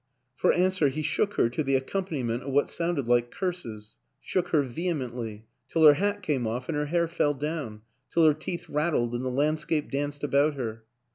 For answer he shook her to the accompaniment of what sounded like curses shook her vehe mently, till her hat came off and her hair fell down, till her teeth rattled and the landscape danced about her.